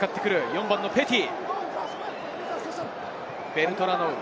４番のペティ。